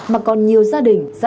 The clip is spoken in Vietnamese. mà còn nhiều gia đình